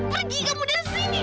pergi kamu dari sini